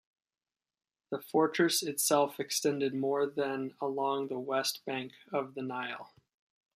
The fortress itself extended more than along the west bank of the Nile.